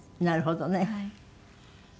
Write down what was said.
なるほどね。